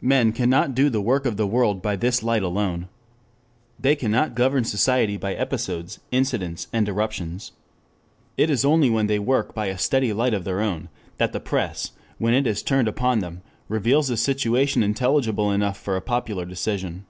Men cannot do the work of the world by this light alone. They cannot govern society by episodes, incidents, and eruptions. It is only when they work by a steady light of their own, that the press, when it is turned upon them, reveals a situation intelligible enough for a popular decision.